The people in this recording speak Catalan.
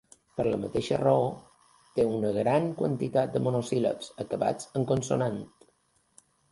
Per la mateixa raó té una gran quantitat de monosíl·labs acabats en consonant.